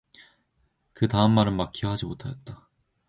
그 다음 말은 막히어 하지 못하였다.